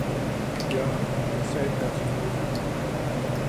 "Jørgen, sagde Batty nede fra."